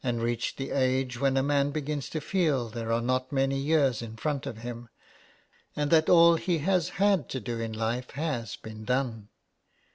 reached the age when a man begins to feel there are not many years in front of him, and that all he has had to do in life has been done.